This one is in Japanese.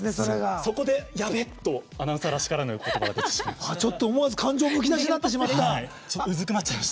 そこで、やべ！ってアナウンサーらしからぬ言葉を言ってしまいました。